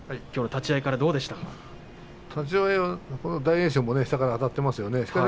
立ち合いは大栄翔下からあたっていますね。